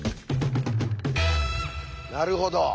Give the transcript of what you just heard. なるほど。